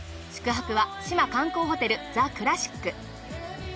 宿泊は志摩観光ホテルザクラシック。